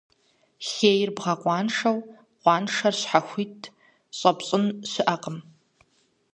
Хейр бгъэкъуаншэу, къуаншэр щхьэхуит щӀэпщӀын щыӀэкъым.